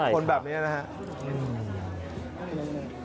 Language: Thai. คนแบบนี้นะครับ